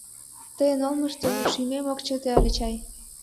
Тыйын олмышто шӱмем ок чыте ыле чай.